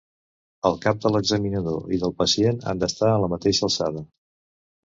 El cap de l'examinador i del pacient han d'estar a la mateixa alçada.